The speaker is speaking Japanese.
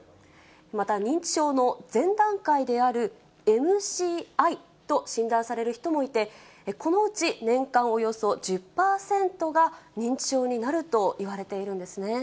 また、認知症の前段階であるＭＣＩと診断される人もいて、このうち年間およそ１０％が認知症になるといわれているんですね。